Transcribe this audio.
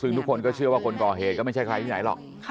ซึ่งทุกคนก็เชื่อว่าคนก่อเหตุก็ไม่ใช่ใครที่ไหนหรอก